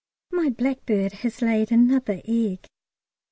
My blackbird has laid another egg.